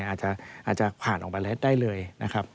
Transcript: อาจจะผ่านออกไปแล้วได้เลยนะครับ